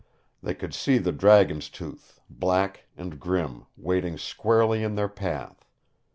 They could see the Dragon's Tooth, black and grim, waiting squarely in their path.